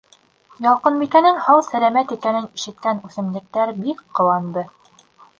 Ялҡынбикәнең һау-сәләмәт икәнен ишеткән үҫемлектәр бик ҡыуанды.